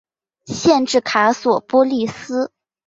县治卡索波利斯。